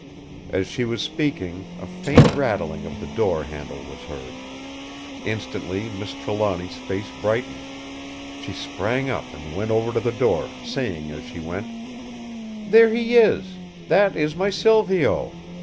As she was speaking a faint rattling of the door handle was heard. Instantly Miss Trelawny's face brightened. She sprang up and went over to the door, saying as she went: "There he is! That is my Silvio.